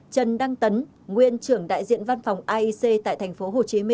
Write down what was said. trần đăng tấn nguyên trưởng đại diện văn phòng aic tại tp hcm